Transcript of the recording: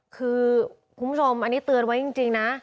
คือคุณผู้ชมอันนี้เตือนไว้จริงนะ